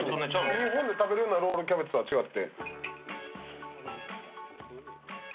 日本で食べるようなロールキャベツとは違って。